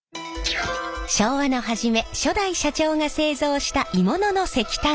昭和の初め初代社長が製造した鋳物の石炭ストーブ。